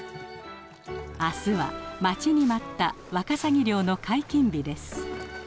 明日は待ちに待ったワカサギ漁の解禁日です。